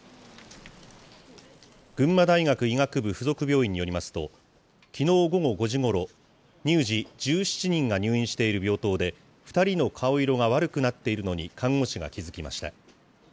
群馬大学医学部附属病院によりますと、きのう午後５時ごろ、乳児１７人が入院している病棟で、２人の顔色が悪くなっているのに看護師が気付きました。